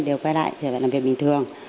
đều quay lại làm việc bình thường